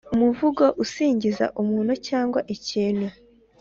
umuvugo usingiza umuntu cyangwa ikintu.